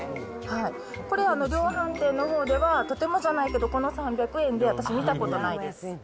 これ、量販店のほうではとてもじゃないけど、この３００円では、私、見たことないです。